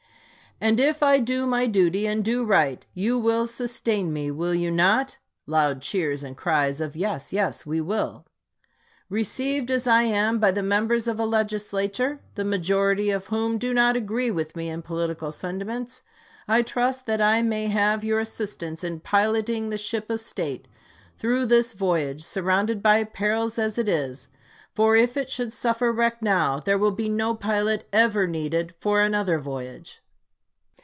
] And if I do my duty and do right, you will sustain me, will you not? [Loud cheers, and cries of " Yes, yes, we will."] Received as I am by the members of a Legislature, the majority of whom do not agree with me in political sentiments, I trust that I may have their assistance in piloting the ship of State through this voyage, surrounded by perils as it is ; for if it should suffer wreck now, there will be no pilot ever needed for another voyage.